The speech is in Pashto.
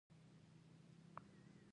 اوښ د افغانستان د طبعي سیسټم توازن ساتي.